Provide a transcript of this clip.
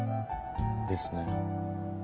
ですね。